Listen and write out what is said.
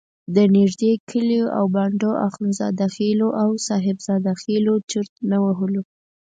د نږدې کلیو او بانډو اخندزاده خېلو او صاحب زاده خېلو چرت نه وهلو.